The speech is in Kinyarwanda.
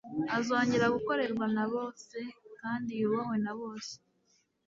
azongera gukorerwa na bose kandi yubahwe na bose.